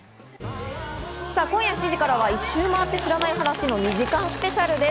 今夜７時からは『１周回って知らない話』の２時間スペシャルです。